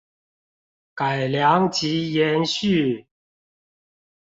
改良及延續